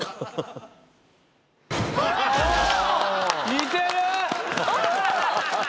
似てる。